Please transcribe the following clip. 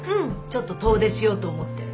ちょっと遠出しようと思って。